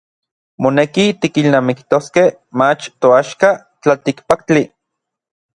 Moneki tikilnamiktoskej mach toaxka tlaltikpaktli.